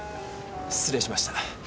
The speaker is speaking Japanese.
失礼しました。